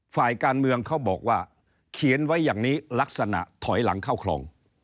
ฝ่ายการเมืองเขาบอกว่าเขียนไว้อย่างนี้ลักษณะถอยหลังเข้าคลอง